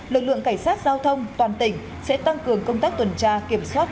lực lượng cảnh sát giao thông toàn tỉnh sẽ tăng cường công tác tuần tra kiểm soát